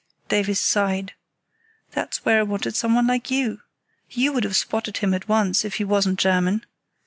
Davies sighed. "That's where I wanted someone like you. You would have spotted him at once, if he wasn't German.